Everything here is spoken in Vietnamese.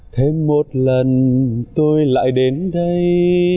thêm một lần tôi lại đến đây